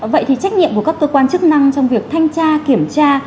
vậy thì trách nhiệm của các cơ quan chức năng trong việc thanh tra kiểm tra